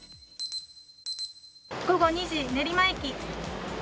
午後２時、練馬駅。